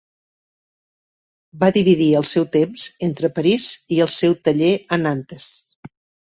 Va dividir el seu temps entre París i el seu taller a Nantes.